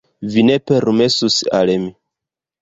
vi ne permesus al mi.